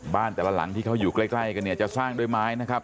แต่ละหลังที่เขาอยู่ใกล้กันเนี่ยจะสร้างด้วยไม้นะครับ